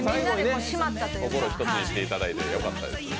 最後に心を一つにしていただいてよかったです。